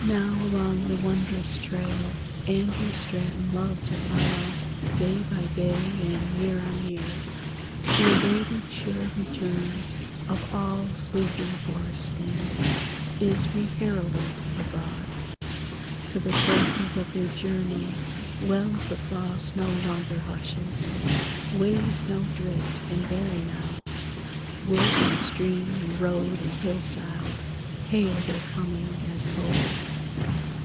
Now along the wondrous trail Andrew Straton loved to follow Day by day and year on year, The awaited sure return Of all sleeping forest things Is reheralded abroad, Till the places of their journey, Wells the frost no longer hushes, Ways no drift can bury now, Wood and stream and road and hillside, Hail their coming as of old.